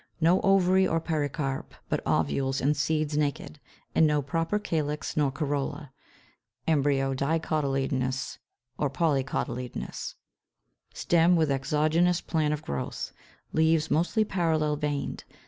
No ovary or pericarp, but ovules and seeds naked, and no proper calyx nor corolla. Embryo dicotyledonous or polycotyledonous. Stem with exogenous plan of growth. Leaves mostly parallel veined.